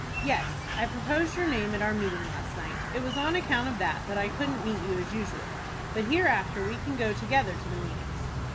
"Yes; I proposed your name at our meeting last night. It was on account of that, that I couldn't meet you as usual. But hereafter we can go together to the meetings."